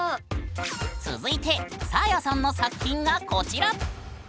続いてサーヤさんの作品がこちら！